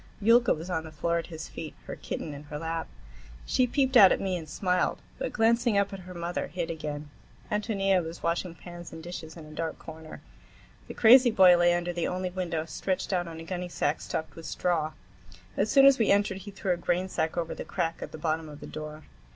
Yulka was on the floor at his feet, her kitten in her lap. She peeped out at me and smiled, but, glancing up at her mother, hid again. Ántonia was washing pans and dishes in a dark corner. The crazy boy lay under the only window, stretched on a gunnysack stuffed with straw. As soon as we entered he threw a grainsack over the crack at the bottom of the door.